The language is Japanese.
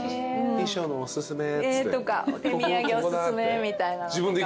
「秘書のおすすめ」っつって。とか「手土産おすすめ」みたいな。